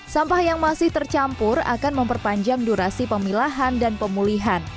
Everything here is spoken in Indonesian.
sampah yang masih tercampur akan memperpanjang durasi pemilahan dan pemulihan